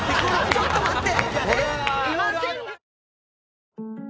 ちょっと待って。